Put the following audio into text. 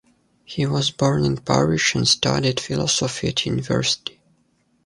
He was born in Paris and studied philosophy at university.